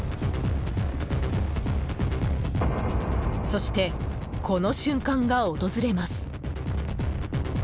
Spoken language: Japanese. そして、この瞬間が訪れます。